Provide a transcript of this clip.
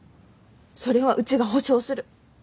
それはうちが保証する。